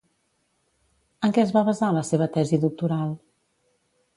En què es va basar la seva tesi doctoral?